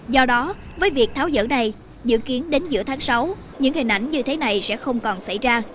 do đó với việc tháo dỡ này dự kiến đến giữa tháng sáu những hình ảnh như thế này sẽ không còn xảy ra